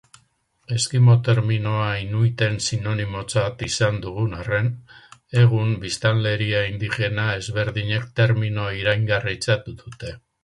Eskimo terminoa Inuiten sinonimotzat izan dugun arren, egun biztanleria indigena ezberdinek termino iraingarritzat dute.